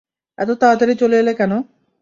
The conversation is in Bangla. এত তাড়াতাড়ি চলে এলে কেন?